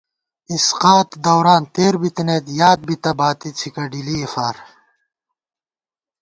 اِسقاط دوران تېر بِتَنَئیت یاد بِتہ باتی څھِکہ ڈِلِئے فار